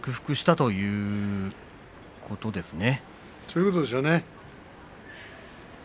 そういうことでしょう。